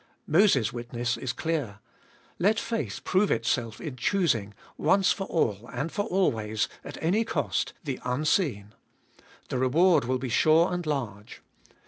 Moses' witness is clear : Let faith prove itself in choosing, once for all and for always, at any cost, the unseen — the reward will be sure and large.